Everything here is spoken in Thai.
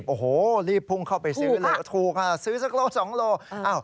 โอ้โหรีบพุ่งเข้าไปซื้อเลยถูกค่ะซื้อสักโล๒โล